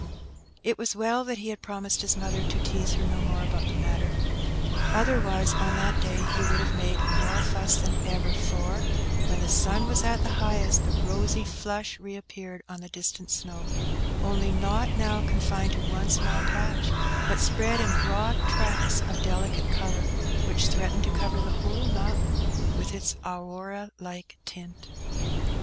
It was well that he had promised his mother to teaze her no more about the matter. Otherwise, on that day, he would have made more fuss than ever, for, when the sun was at the highest, the rosy flush re appeared on the distant snow, only not now confined to one small patch, but spread in broad tracts of delicate colour, which threatened to cover the whole mountain with its Aurora like tint.